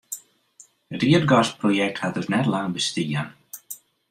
It ierdgasprojekt hat dus net lang bestien.